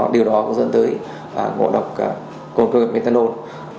điều đó cũng dẫn tới ngộ độc cồn công nghiệp methanol